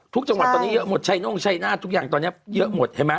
ทุกจังหวัดตอนนี้เยอะหมดชัยน่องชัยน่าทุกอย่างตอนนี้เยอะหมด